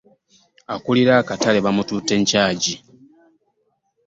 Akulira akatale bamututte ntyagi.